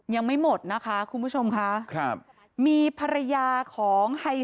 อย่างไม่หมดกลุ่มผู้ชมค่ะ